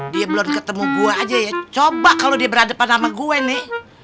dia belum ketemu gue aja ya coba kalau dia berhadapan sama gue nih